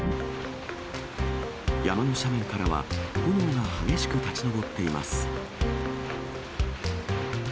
山の斜面からは、炎が激しく立ち上っています。